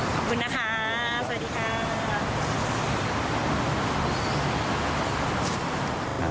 ขอบคุณนะคะสวัสดีค่ะ